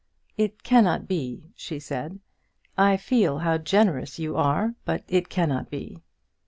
"It cannot be," she said. "I feel how generous you are, but it cannot be."